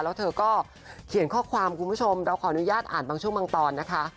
แล้วเธอก็เขียนข้อความคุณผู้ชมเราขออนุญาตอ่านบางช่วงบางตอนนะคะ